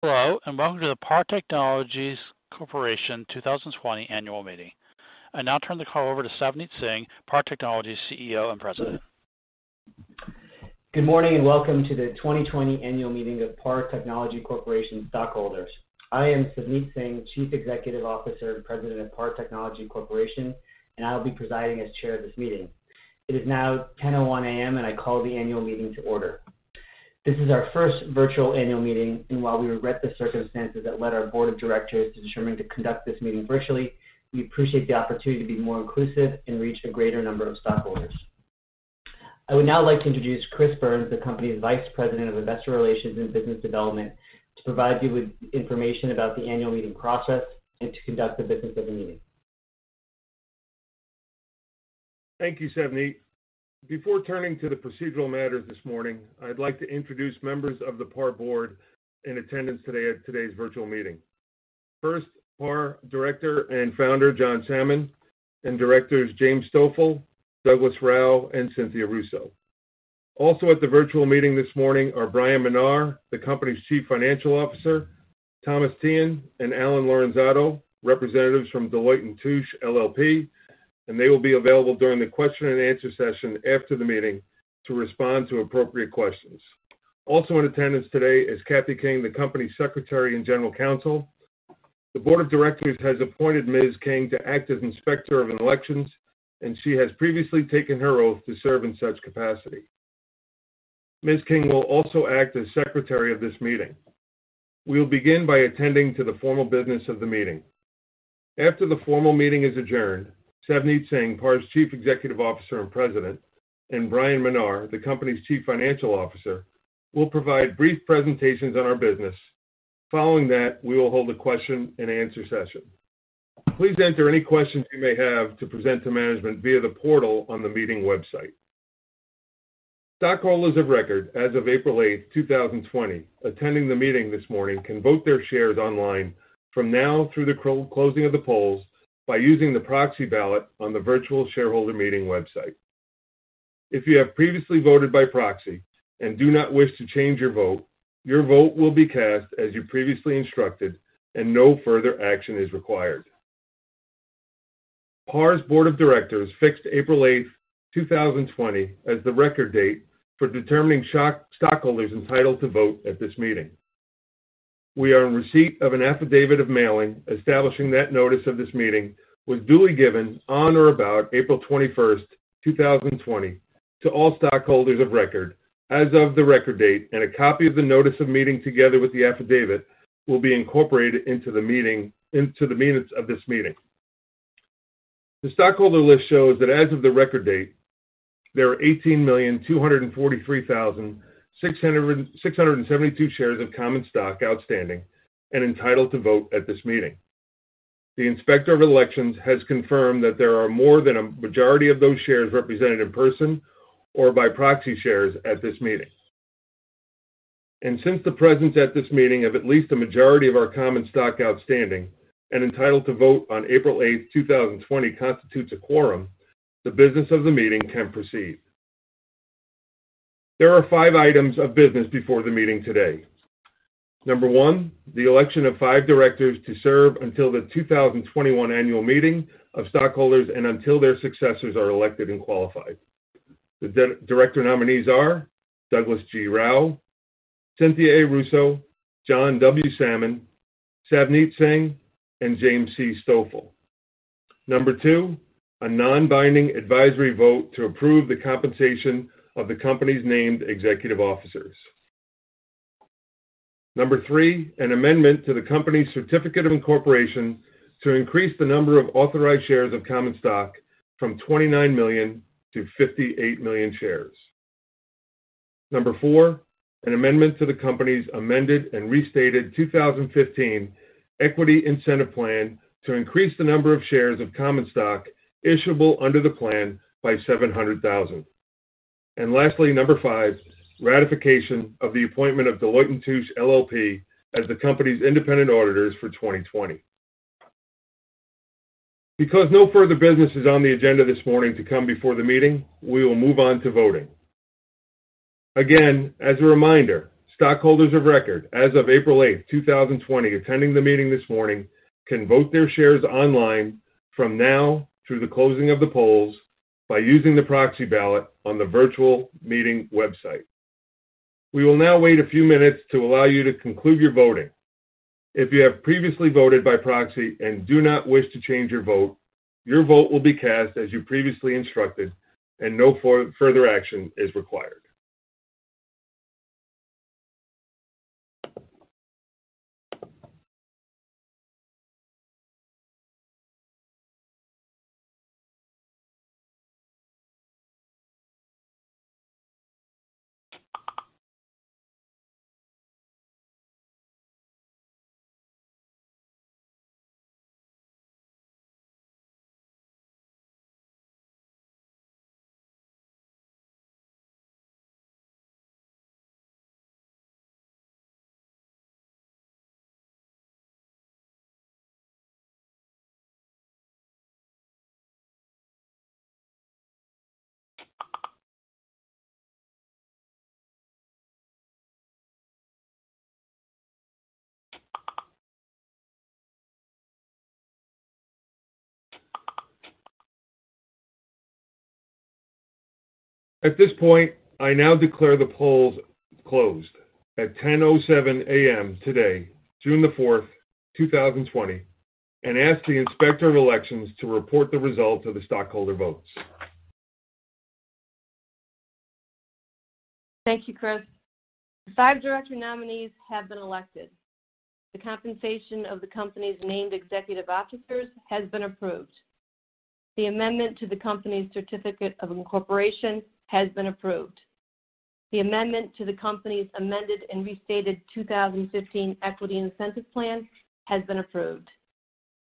Hello, and welcome to the PAR Technology Corporation 2020 Annual Meeting. I now turn the call over to Savneet Singh, PAR Technology CEO and President. Good morning and welcome to the 2020 Annual Meeting of PAR Technology Corporation stockholders. I am Savneet Singh, Chief Executive Officer and President of PAR Technology Corporation, and I will be presiding as Chair of this meeting. It is now 10:01 A.M., and I call the Annual Meeting to order. This is our first virtual annual meeting, and while we regret the circumstances that led our Board of Directors to determine to conduct this meeting virtually, we appreciate the opportunity to be more inclusive and reach a greater number of stockholders. I would now like to introduce Chris Byrnes, the Company's Vice President of Investor Relations and Business Development, to provide you with information about the annual meeting process and to conduct the business of the meeting. Thank you, Savneet. Before turning to the procedural matters this morning, I'd like to introduce members of the PAR Board in attendance today at today's virtual meeting. First, PAR Director and Founder, John Sammon, and Directors James Stoffel, Douglas Rauch, and Cynthia Russo. Also at the virtual meeting this morning are Bryan Menar, the Company's Chief Financial Officer, Thomas Teehan, and Alain Lorenzato, representatives from Deloitte & Touche, LLP, and they will be available during the question and answer session after the meeting to respond to appropriate questions. Also in attendance today is Cathy King, the Company's Secretary and General Counsel. The Board of Directors has appointed Ms. King to act as Inspector of Elections, and she has previously taken her oath to serve in such capacity. Ms. King will also act as Secretary of this meeting. We'll begin by attending to the formal business of the meeting. After the formal meeting is adjourned, Savneet Singh, PAR's Chief Executive Officer and President, and Bryan Menar, the Company's Chief Financial Officer, will provide brief presentations on our business. Following that, we will hold a question and answer session. Please enter any questions you may have to present to management via the portal on the meeting website. Stockholders of record, as of April 8, 2020, attending the meeting this morning can vote their shares online from now through the closing of the polls by using the proxy ballot on the virtual shareholder meeting website. If you have previously voted by proxy and do not wish to change your vote, your vote will be cast as you previously instructed, and no further action is required. PAR's Board of Directors fixed April 8, 2020, as the record date for determining stockholders entitled to vote at this meeting. We are in receipt of an affidavit of mailing establishing that notice of this meeting was duly given on or about April 21st, 2020, to all stockholders of record as of the record date, and a copy of the notice of meeting together with the affidavit will be incorporated into the minutes of this meeting. The stockholder list shows that as of the record date, there are 18,243,672 shares of common stock outstanding and entitled to vote at this meeting. The Inspector of Elections has confirmed that there are more than a majority of those shares represented in person or by proxy shares at this meeting. Since the presence at this meeting of at least a majority of our common stock outstanding and entitled to vote on April 8, 2020, constitutes a quorum, the business of the meeting can proceed. There are five items of business before the meeting today. Number one, the election of five Directors to serve until the 2021 Annual Meeting of stockholders and until their successors are elected and qualified. The director nominees are Douglas G. Rauch, Cynthia A. Russo, John W. Sammon, Savneet Singh, and James C. Stoffel. Number two, a non-binding advisory vote to approve the compensation of the Company's named executive officers. Number 3, an amendment to the Company's Certificate of Incorporation to increase the number of authorized shares of common stock from 29 million to 58 million shares. Number four, an amendment to the Company's amended and restated 2015 Equity Incentive Plan to increase the number of shares of common stock issuable under the plan by 700,000. Lastly, number five, ratification of the appointment of Deloitte & Touche, LLP, as the Company's independent auditors for 2020. Because no further business is on the agenda this morning to come before the meeting, we will move on to voting. Again, as a reminder, stockholders of record, as of April 8, 2020, attending the meeting this morning can vote their shares online from now through the closing of the polls by using the proxy ballot on the virtual meeting website. We will now wait a few minutes to allow you to conclude your voting. If you have previously voted by proxy and do not wish to change your vote, your vote will be cast as you previously instructed, and no further action is required. At this point, I now declare the polls closed at 10:07 A.M. today, June the 4th, 2020, and ask the Inspector of Elections to report the results of the stockholder votes. Thank you, Chris. The five director nominees have been elected. The compensation of the Company's named Executive Officers has been approved. The amendment to the Company's Certificate of Incorporation has been approved. The amendment to the Company's Amended and Restated 2015 Equity Incentive Plan has been approved.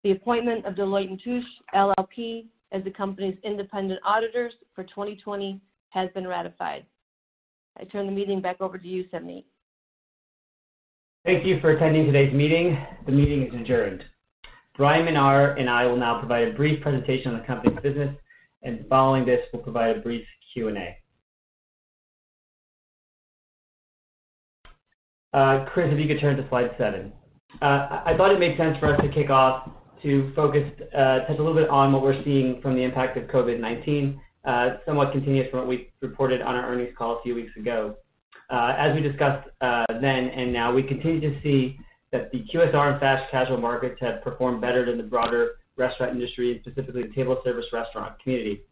The appointment of Deloitte & Touche, LLP, as the Company's independent auditors for 2020 has been ratified. I turn the meeting back over to you, Savneet. Thank you for attending today's meeting. The meeting is adjourned. Bryan Menar and I will now provide a brief presentation on the Company's business, and following this, we'll provide a brief Q&A. Chris, if you could turn to slide seven. I thought it made sense for us to kick off to focus, touch a little bit on what we're seeing from the impact of COVID-19, somewhat continuous from what we reported on our earnings call a few weeks ago. As we discussed then and now, we continue to see that the QSR and Fast Casual markets have performed better than the broader restaurant industry, and specifically the table service restaurant community.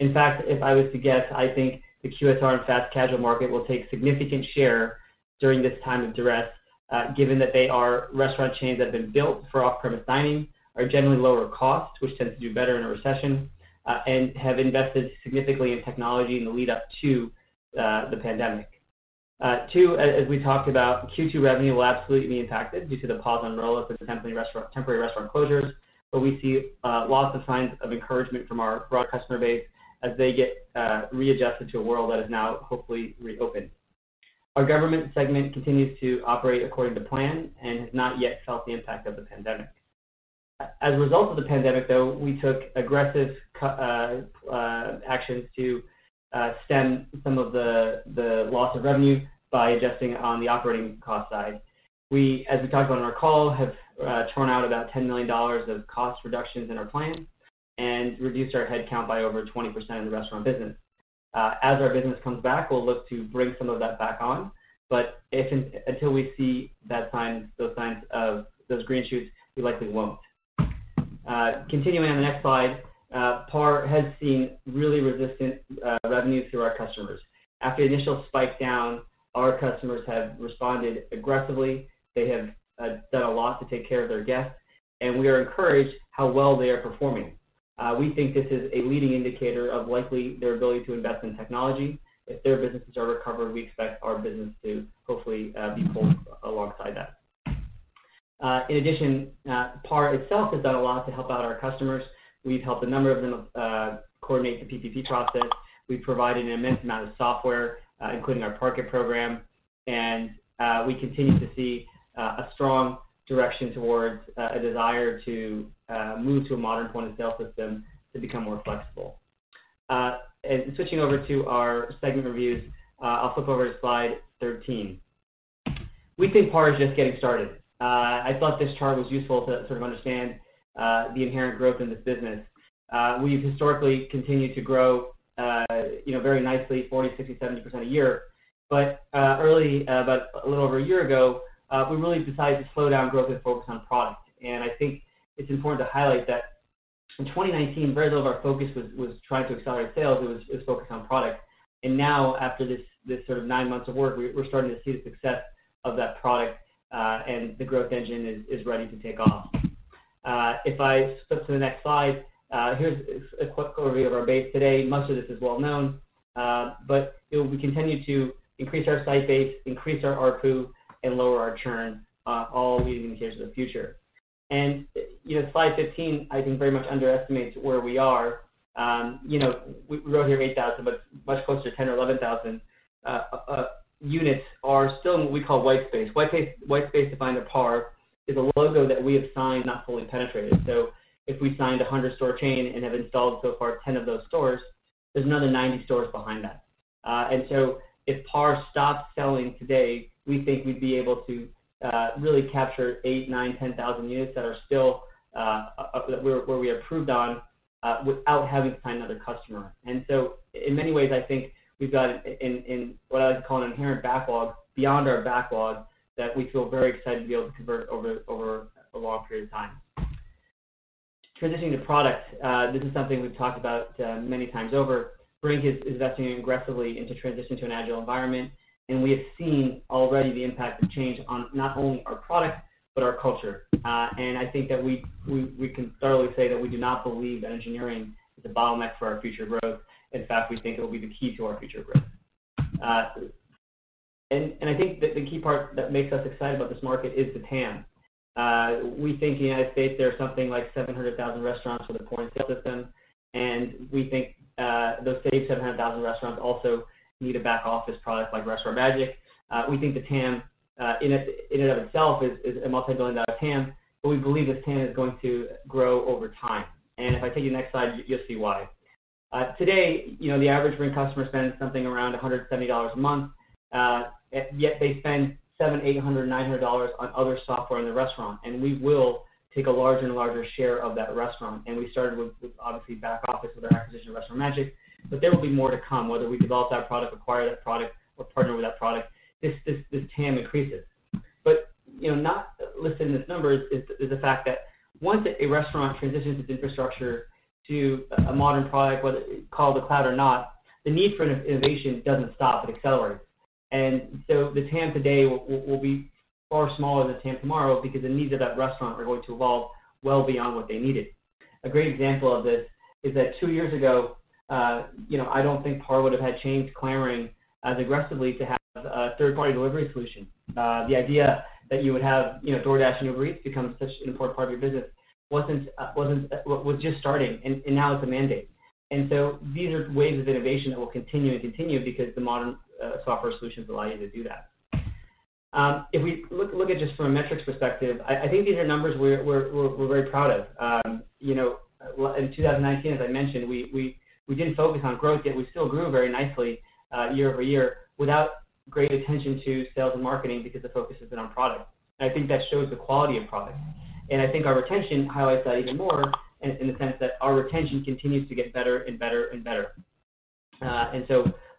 In fact, if I was to guess, I think the QSR and Fast Casual market will take a significant share during this time of duress, given that they are restaurant chains that have been built for off-premise dining, are generally lower cost, which tends to do better in a recession, and have invested significantly in technology in the lead-up to the pandemic. Two, as we talked about, Q2 revenue will absolutely be impacted due to the pause on rollouts of temporary restaurant closures, but we see lots of signs of encouragement from our broad customer base as they get readjusted to a world that is now hopefully reopened. Our government segment continues to operate according to plan and has not yet felt the impact of the pandemic. As a result of the pandemic, though, we took aggressive actions to stem some of the loss of revenue by adjusting on the operating cost side. We, as we talked about in our call, have torn out about $10 million of cost reductions in our plan and reduced our headcount by over 20% in the restaurant business. As our business comes back, we'll look to bring some of that back on, but until we see those signs of those green shoots, we likely won't. Continuing on the next slide, PAR has seen really resistant revenue through our customers. After the initial spike down, our customers have responded aggressively. They have done a lot to take care of their guests, and we are encouraged by how well they are performing. We think this is a leading indicator of likely their ability to invest in technology. If their businesses are recovered, we expect our business to hopefully be pulled alongside that. In addition, PAR itself has done a lot to help out our customers. We've helped a number of them coordinate the PPP process. We've provided an immense amount of software, including our PARTech program, and we continue to see a strong direction towards a desire to move to a modern Point-of-Sale system to become more flexible. Switching over to our segment reviews, I'll flip over to slide 13. We think PAR is just getting started. I thought this chart was useful to sort of understand the inherent growth in this business. We've historically continued to grow very nicely, 40%, 60%, 70% a year, but early, about a little over a year ago, we really decided to slow down growth and focus on product. I think it's important to highlight that in 2019, very little of our focus was trying to accelerate sales; it was focused on product. Now, after this sort of nine months of work, we're starting to see the success of that product, and the growth engine is ready to take off. If I flip to the next slide, here's a quick overview of our base today. Much of this is well known, but we continue to increase our site base, increase our ARPU, and lower our churn, all leading indicators of the future. Slide 15, I think, very much underestimates where we are. We wrote here 8,000, but much closer to 10,000 or 11,000 units are still in what we call white space. White space defined at PAR is a logo that we have signed not fully penetrated. If we signed 100 store chains and have installed so far 10 of those stores, there's another 90 stores behind that. If PAR stops selling today, we think we'd be able to really capture 8,000, 9,000, 10,000 units that are still where we approved on without having to sign another customer. In many ways, I think we've got what I like to call an inherent backlog beyond our backlog that we feel very excited to be able to convert over a long period of time. Transitioning to product, this is something we've talked about many times over. Brink is investing aggressively into transitioning to an agile environment, and we have seen already the impact of change on not only our product but our culture. I think that we can thoroughly say that we do not believe that engineering is a bottleneck for our future growth. In fact, we think it will be the key to our future growth. I think the key part that makes us excited about this market is the TAM. We think in the U.S. there are something like 700,000 restaurants with a Point-of-Sale system, and we think those same 700,000 restaurants also need a back-office product like Restaurant Magic. We think the TAM in and of itself is a multi-billion dollar TAM, but we believe this TAM is going to grow over time. If I take you to the next slide, you'll see why. Today, the average Brink customer spends something around $170 a month, yet they spend $700, $800, $900 on other software in the restaurant, and we will take a larger and larger share of that restaurant. We started with, obviously, back-office with our acquisition of Restaurant Magic, but there will be more to come, whether we develop that product, acquire that product, or partner with that product. This TAM increases. Not listed in this number is the fact that once a restaurant transitions its infrastructure to a modern product, whether called the cloud or not, the need for innovation does not stop. It accelerates. The TAM today will be far smaller than the TAM tomorrow because the needs of that restaurant are going to evolve well beyond what they needed. A great example of this is that two years ago, I don't think PAR would have had chain clamoring as aggressively to have a third-party delivery solution. The idea that you would have DoorDash and Uber Eats become such an important part of your business was just starting, and now it's a mandate. These are ways of innovation that will continue and continue because the modern software solutions allow you to do that. If we look at it just from a metrics perspective, I think these are numbers we're very proud of. In 2019, as I mentioned, we didn't focus on growth yet. We still grew very nicely year-over-year without great attention to sales and marketing because the focus has been on product. I think that shows the quality of product. I think our retention highlights that even more in the sense that our retention continues to get better and better and better.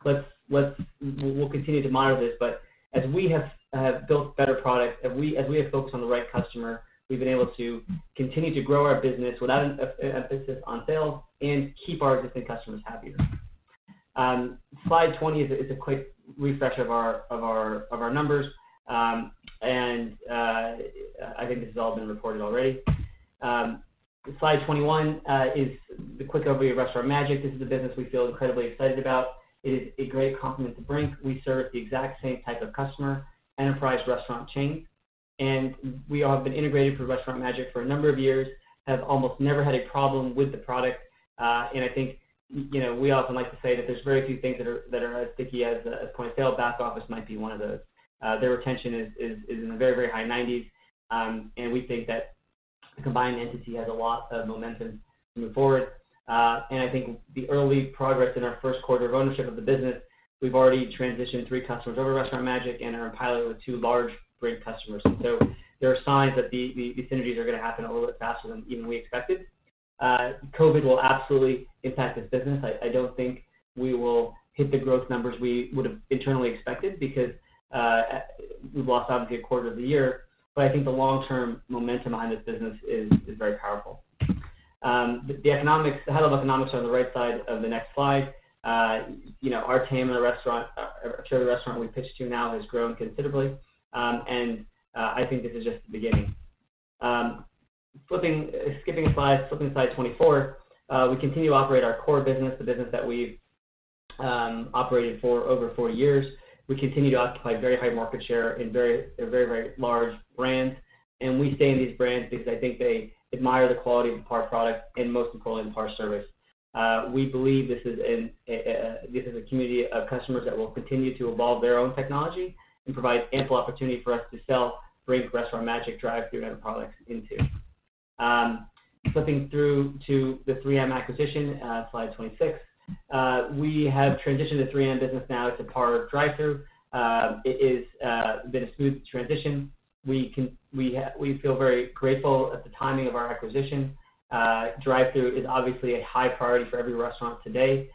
We will continue to monitor this, but as we have built better product, as we have focused on the right customer, we have been able to continue to grow our business without an emphasis on sales and keep our existing customers happier. Slide 20 is a quick refresher of our numbers, and I think this has all been recorded already. Slide 21 is the quick overview of Restaurant Magic. This is a business we feel incredibly excited about. It is a great complement to Brink. We serve the exact same type of customer: enterprise restaurant chains. We have been integrated for Restaurant Magic for a number of years, have almost never had a problem with the product. I think we often like to say that there's very few things that are as sticky as Point-of-Sale. Back-office might be one of those. Their retention is in the very, very high 90%, and we think that the combined entity has a lot of momentum to move forward. I think the early progress in our first quarter of ownership of the business, we've already transitioned three customers over to Restaurant Magic and are in pilot with two large Brink customers. There are signs that the synergies are going to happen a little bit faster than even we expected. COVID will absolutely impact this business. I don't think we will hit the growth numbers we would have internally expected because we've lost, obviously, a quarter of the year, but I think the long-term momentum behind this business is very powerful. The health of economics are on the right side of the next slide. Our team and the restaurant—a chair of the restaurant we pitch to now has grown considerably, and I think this is just the beginning. Skipping slides, flipping to slide 24, we continue to operate our core business, the business that we've operated for over four years. We continue to occupy very high market share in very, very large brands, and we stay in these brands because I think they admire the quality of the PAR product and, most importantly, the PAR service. We believe this is a community of customers that will continue to evolve their own technology and provide ample opportunity for us to sell Brink, Restaurant Magic, Drive-Thru, and other products into. Flipping through to the 3M acquisition, slide 26, we have transitioned to 3M business now. It's a PAR Drive-Thru. It has been a smooth transition. We feel very grateful at the timing of our acquisition. Drive-Thru is obviously a high priority for every restaurant today.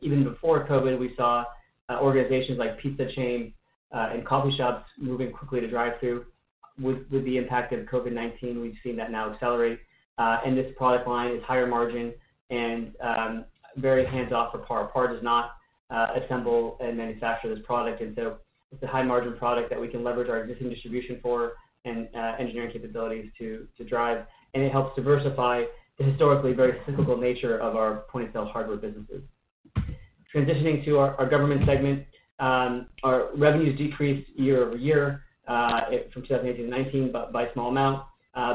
Even before COVID-19, we saw organizations like pizza chains and coffee shops moving quickly to Drive-Thru. With the impact of COVID-19, we have seen that now accelerate. This product line is higher margin and very hands-off for PAR. PAR does not assemble and manufacture this product, so it is a high-margin product that we can leverage our existing distribution for and engineering capabilities to drive. It helps diversify the historically very cyclical nature of our Point-of-Sale hardware businesses. Transitioning to our government segment, our revenues decreased year-over-year from 2018 to 2019 by a small amount,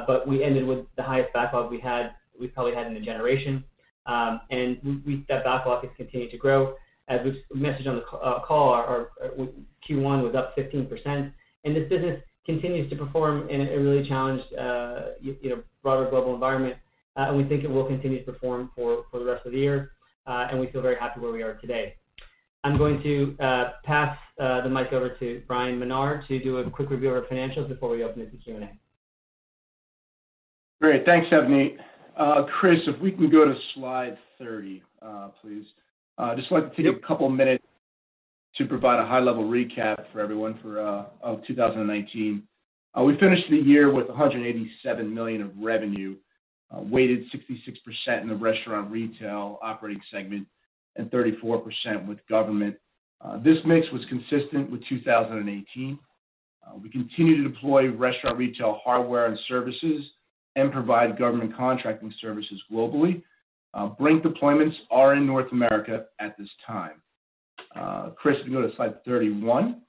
but we ended with the highest backlog we had. We probably had in a generation. That backlog has continued to grow. As we've mentioned on the call, our Q1 was up 15%. This business continues to perform in a really challenged broader global environment, and we think it will continue to perform for the rest of the year, and we feel very happy where we are today. I'm going to pass the mic over to Bryan Menar to do a quick review of our financials before we open it to Q&A. Great. Thanks, Savneet. Chris, if we can go to slide 30, please. I just wanted to take a couple of minutes to provide a high-level recap for everyone for 2019. We finished the year with $187 million of revenue, weighted 66% in the restaurant retail operating segment and 34% with government. This mix was consistent with 2018. We continue to deploy restaurant retail hardware and services and provide government contracting services globally. Brink deployments are in North America at this time. Chris, if you can go to slide 31,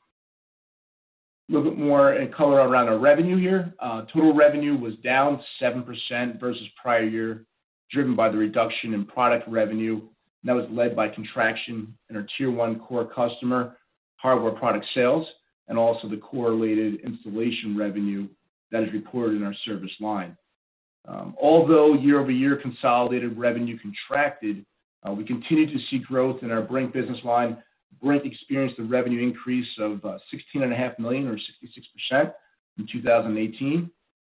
look at more color around our revenue here. Total revenue was down 7% versus prior year, driven by the reduction in product revenue that was led by contraction in our tier one core customer, hardware product sales, and also the correlated installation revenue that is reported in our service line. Although year-over-year consolidated revenue contracted, we continue to see growth in our Brink business line. Brink experienced a revenue increase of $16.5 million or 66% in 2018,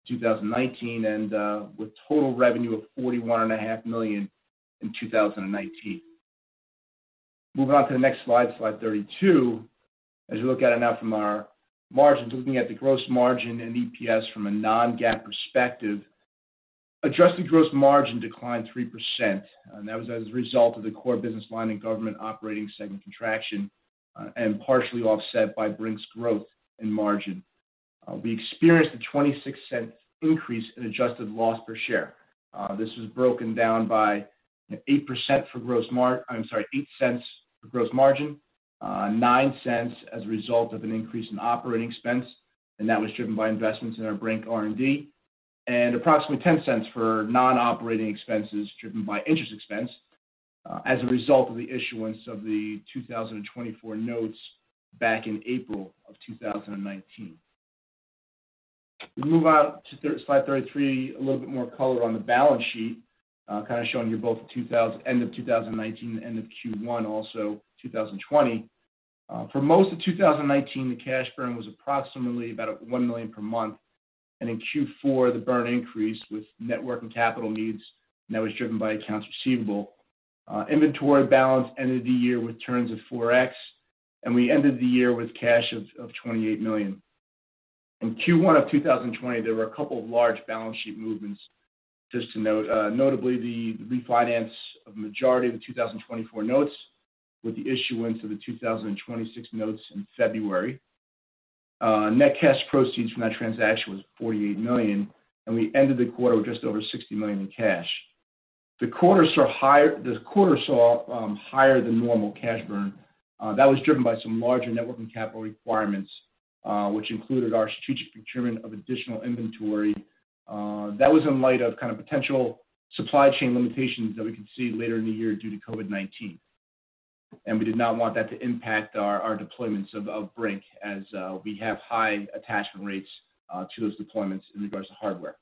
2019, and with total revenue of $41.5 million in 2019. Moving on to the next slide, slide 32, as we look at it now from our margins, looking at the gross margin and EPS from a non-GAAP perspective, adjusted gross margin declined 3%. That was as a result of the core business line and government operating segment contraction and partially offset by Brink's growth in margin. We experienced a $0.26 increase in adjusted loss per share. This was broken down by 8% for gross margin, $0.09 as a result of an increase in operating expense, and that was driven by investments in our Brink R&D, and approximately $0.10 for non-operating expenses driven by interest expense as a result of the issuance of the 2024 notes back in April of 2019. We move on to slide 33, a little bit more color on the balance sheet, kind of showing you both the end of 2019 and the end of Q1, also 2020. For most of 2019, the cash burn was approximately about $1 million per month, and in Q4, the burn increased with network and capital needs that was driven by accounts receivable. Inventory balance ended the year with turns of 4X, and we ended the year with cash of $28 million. In Q1 of 2020, there were a couple of large balance sheet movements, just to note. Notably, the refinance of the majority of the 2024 notes with the issuance of the 2026 notes in February. Net cash proceeds from that transaction was $48 million, and we ended the quarter with just over $60 million in cash. The quarter saw higher than normal cash burn. That was driven by some larger net working capital requirements, which included our strategic procurement of additional inventory. That was in light of kind of potential supply chain limitations that we could see later in the year due to COVID-19. We did not want that to impact our deployments of Brink, as we have high attachment rates to those deployments in regards to hardware.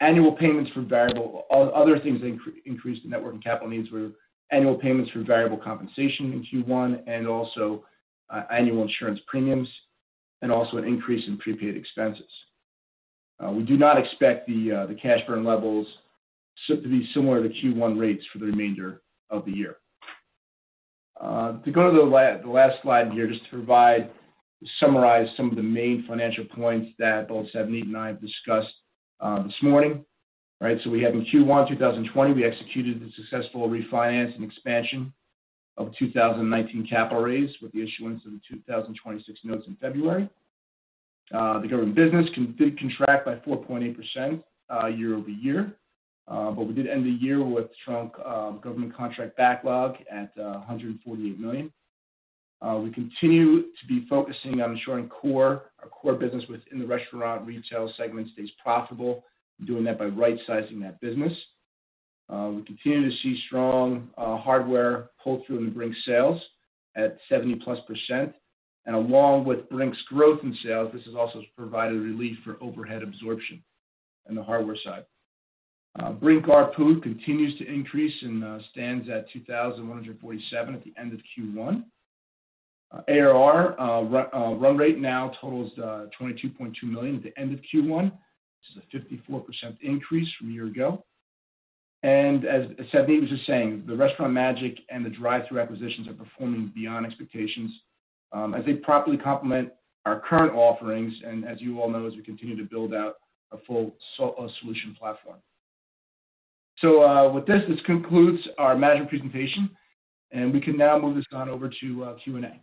Annual payments for variable other things that increased the networking capital needs were annual payments for variable compensation in Q1 and also annual insurance premiums and also an increase in prepaid expenses. We do not expect the cash burn levels to be similar to Q1 rates for the remainder of the year. To go to the last slide here, just to provide to summarize some of the main financial points that both Savneet and I have discussed this morning, right? We have in Q1 2020, we executed a successful refinance and expansion of 2019 capital raise with the issuance of the 2026 notes in February. The government business did contract by 4.8% year-over-year, but we did end the year with a strong government contract backlog at $148 million. We continue to be focusing on ensuring our core business within the restaurant retail segment stays profitable, doing that by right-sizing that business. We continue to see strong hardware pull-through in the Brink sales at 70% plus. Along with Brink's growth in sales, this has also provided relief for overhead absorption in the hardware side. Brink RPU continues to increase and stands at $2,147 at the end of Q1. ARR run rate now totals $22.2 million at the end of Q1, which is a 54% increase from a year ago. As Savneet was just saying, the Restaurant Magic and the Drive-Thru acquisitions are performing beyond expectations as they properly complement our current offerings and, as you all know, as we continue to build out a full solution platform. With this, this concludes our management presentation, and we can now move this on over to Q&A.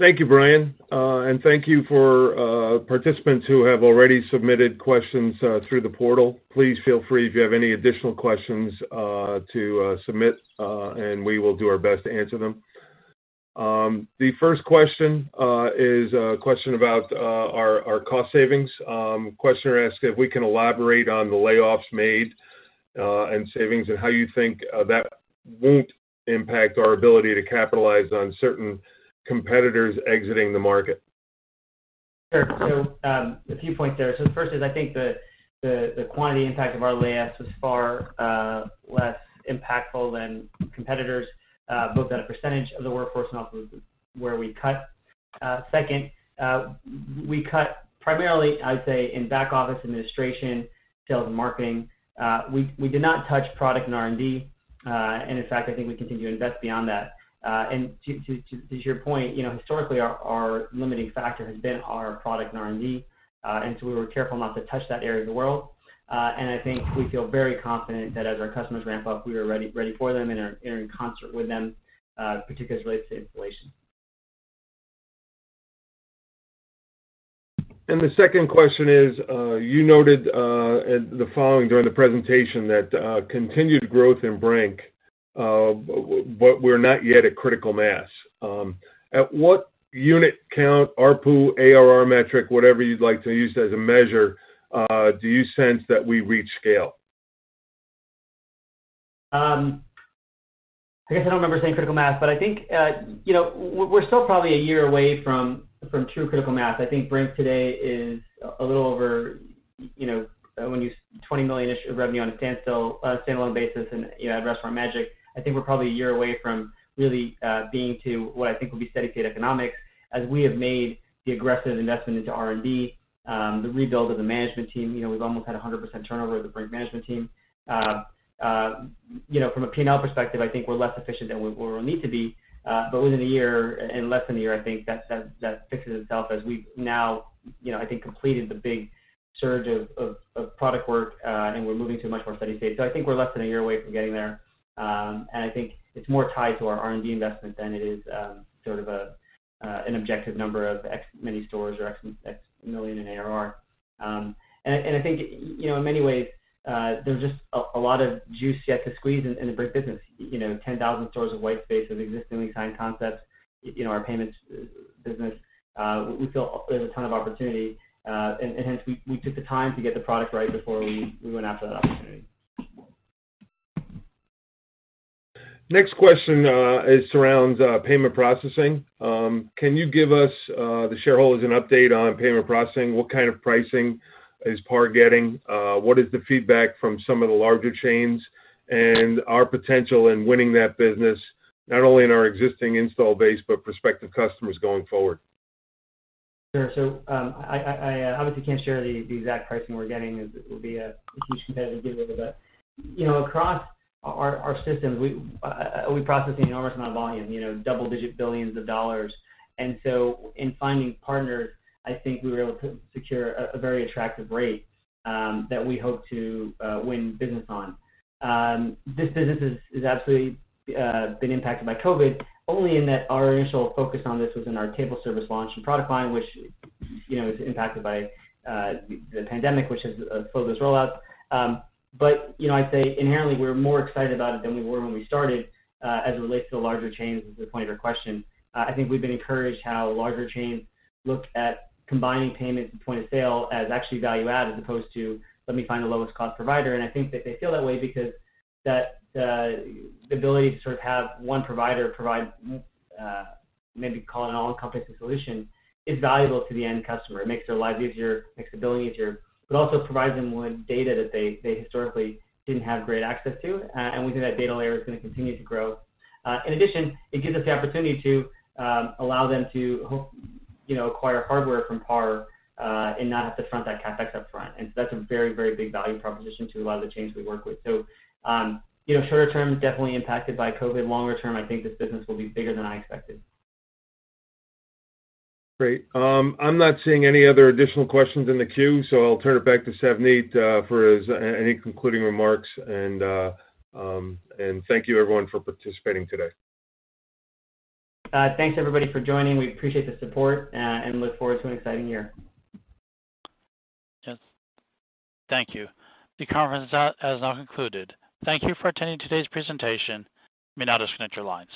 Thank you, Brian. Thank you for participants who have already submitted questions through the portal. Please feel free, if you have any additional questions to submit, and we will do our best to answer them. The first question is a question about our cost savings. The questioner asked if we can elaborate on the layoffs made and savings and how you think that won't impact our ability to capitalize on certain competitors exiting the market. Sure. A few points there. The first is I think the quantity impact of our layoffs was far less impactful than competitors, both at a percentage of the workforce and also where we cut. Second, we cut primarily, I'd say, in back-office administration, sales, and marketing. We did not touch product and R&D, and in fact, I think we continue to invest beyond that. To your point, historically, our limiting factor has been our product and R&D, and we were careful not to touch that area of the world. I think we feel very confident that as our customers ramp-up, we are ready for them and are in concert with them, particularly related to installation. The second question is you noted the following during the presentation that continued growth in Brink, but we're not yet at critical mass. At what unit count, ARPU, ARR metric, whatever you'd like to use as a measure, do you sense that we reach scale? I guess I don't remember saying critical mass, but I think we're still probably a year away from true critical mass. I think Brink today is a little over, when you, $20 million-ish of revenue on a standalone basis and at Restaurant Magic. I think we're probably a year away from really being to what I think will be steady-state economics as we have made the aggressive investment into R&D, the rebuild of the management team. We've almost had 100% turnover of the Brink management team. From a P&L perspective, I think we're less efficient than we need to be. Within a year and less than a year, I think that fixes itself as we've now, I think, completed the big surge of product work, and we're moving to a much more steady state. I think we're less than a year away from getting there. I think it's more tied to our R&D investment than it is sort of an objective number of X many stores or X million in ARR. I think in many ways, there's just a lot of juice yet to squeeze in the Brink business. 10,000 stores of white space of existingly signed concepts, our payments business. We feel there's a ton of opportunity, and hence we took the time to get the product right before we went after that opportunity. Next question surrounds payment processing. Can you give us, the shareholders, an update on payment processing? What kind of pricing is PAR getting? What is the feedback from some of the larger chains and our potential in winning that business, not only in our existing install base but prospective customers going forward? Sure. I obviously can't share the exact pricing we're getting. It would be a huge competitive giveaway. Across our systems, we process an enormous amount of volume, double-digit billions of dollars. In finding partners, I think we were able to secure a very attractive rate that we hope to win business on. This business has absolutely been impacted by COVID, only in that our initial focus on this was in our table service launch and product line, which was impacted by the pandemic, which has slowed those rollouts. I'd say inherently, we're more excited about it than we were when we started as it relates to the larger chains as the point of your question. I think we've been encouraged how larger chains look at combining payments and point of sale as actually value-add as opposed to, "Let me find the lowest-cost provider." I think that they feel that way because the ability to sort of have one provider provide, maybe call it an all-encompassing solution, is valuable to the end customer. It makes their lives easier, makes the billing easier, but also provides them with data that they historically didn't have great access to. We think that data layer is going to continue to grow. In addition, it gives us the opportunity to allow them to acquire hardware from PAR and not have to front that CapEx upfront. That is a very, very big value proposition to a lot of the chains we work with. Shorter term, definitely impacted by COVID. Longer term, I think this business will be bigger than I expected. Great. I'm not seeing any other additional questions in the queue, so I'll turn it back to Savneet for any concluding remarks. Thank you, everyone, for participating today. Thanks, everybody, for joining. We appreciate the support and look forward to an exciting year. Yes. Thank you. The conference has now concluded. Thank you for attending today's presentation. You may now disconnect your lines.